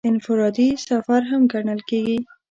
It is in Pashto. انفرادي سفر هم ګڼل کېږي.